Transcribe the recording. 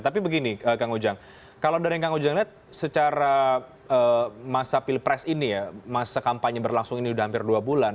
tapi begini kang ujang kalau dari yang kang ujang lihat secara masa pilpres ini ya masa kampanye berlangsung ini sudah hampir dua bulan